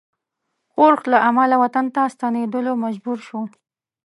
ښورښ له امله وطن ته ستنېدلو مجبور شو.